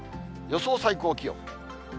予想最高気温。